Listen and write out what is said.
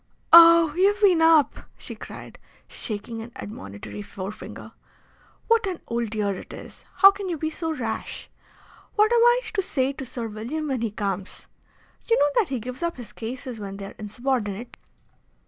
"Oh, you've been up!" she cried, shaking an admonitory forefinger. "What an old dear it is! How can you be so rash? What am I to say to Sir William when he comes? You know that he gives up his cases when they are insubordinate."